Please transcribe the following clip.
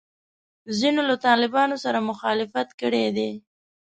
ځینو له طالبانو سره مخالفت کړی دی.